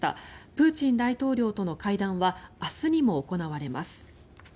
プーチン大統領との会談は明日にも行われます。